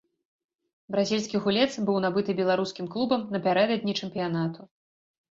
Бразільскі гулец быў набыты беларускім клубам напярэдадні чэмпіянату.